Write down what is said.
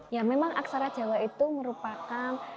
ya memang aksarojawa itu merupakan